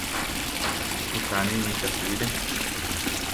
Usaninika suwire.